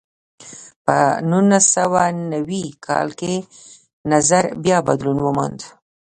په نولس سوه نوي کال کې نظر بیا بدلون وموند.